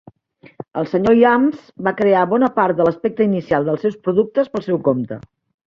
El Sr. Iams va crear bona part de l'aspecte inicial dels seus productes pel seu compte.